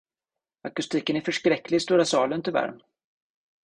Akustiken är förskräcklig i stora salen, tyvärr.